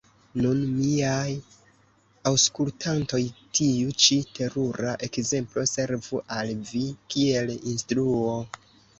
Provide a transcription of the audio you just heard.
Nun, miaj aŭskultantoj, tiu ĉi terura ekzemplo servu al vi kiel instruo!